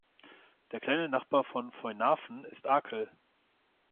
Der kleinere Nachbar von Foinaven ist Arkle.